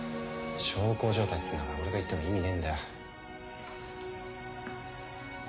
小康状態っつうんだから俺が行っても意味ねえんだよ。